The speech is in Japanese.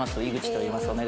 井口といいます。